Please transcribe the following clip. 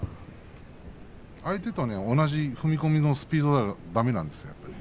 相手と同じ踏み込みのスピードではだめなんですよ。